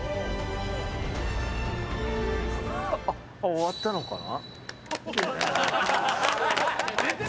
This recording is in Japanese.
終わったのかな？